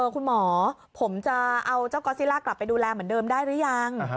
คุณหมอผมจะเอาเจ้าก๊อซิล่ากลับไปดูแลเหมือนเดิมได้หรือยัง